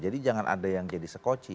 jadi jangan ada yang jadi sekoci